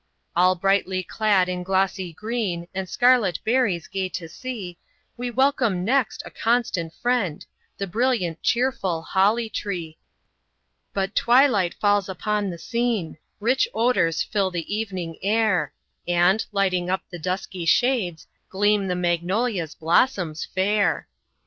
All brightly clad in glossy green, And scarlet berries gay to see, We welcome next a constant friend, The brilliant, cheerful HOLLY TREE. But twilight falls upon the scene; Rich odors fill the evening air; And, lighting up the dusky shades, Gleam the MAGNOLIA'S blossoms fair.